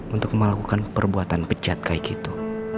untuk melakukan perbuatan pecat kayak gitu